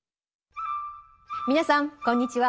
皆さんこんにちは。